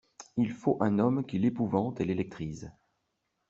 Il faut un homme qui l'épouvante et l'électrise.